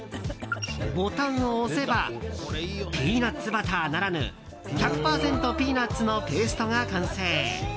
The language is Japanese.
ボタンを押せばピーナツバターならぬ１００％ピーナツのペーストが完成。